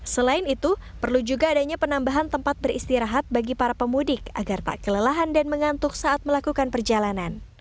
selain itu perlu juga adanya penambahan tempat beristirahat bagi para pemudik agar tak kelelahan dan mengantuk saat melakukan perjalanan